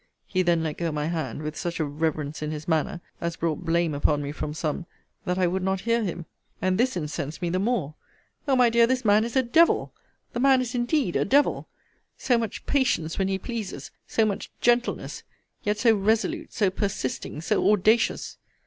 He then let go my hand, with such a reverence in his manner, as brought blame upon me from some, that I would not hear him. And this incensed me the more. O my dear, this man is a devil! This man is indeed a devil! So much patience when he pleases! So much gentleness! Yet so resolute, so persisting, so audacious!